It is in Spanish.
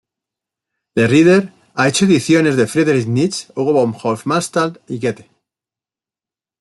Le Rider ha hecho ediciones de Friedrich Nietzsche, Hugo von Hofmannsthal y Goethe.